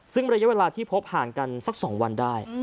ซึ่งระยะเวลาที่พบห่างกันสัก๒วันได้